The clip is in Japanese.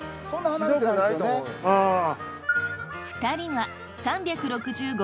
２人は３６５